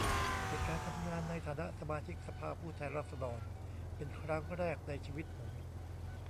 เป็นการทำงานในฐานะสมาชิกสภาผู้แทนราษฎรเป็นครั้งแรกในชีวิตผม